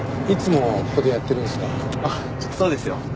いつもここでやってるんですか？